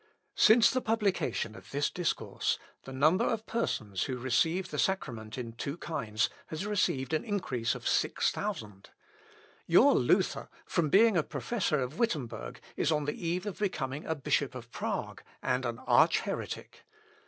"Since the publication of this discourse, the number of persons who receive the sacrament in two kinds has received an increase of 6000. Your Luther, from being a professor of Wittemberg, is on the eve of becoming a bishop of Prague, and an arch heretic"....